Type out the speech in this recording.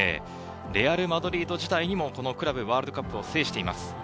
レアル・マドリード時代にもクラブワールドカップを制しています。